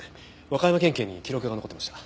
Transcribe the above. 和歌山県警に記録が残ってました。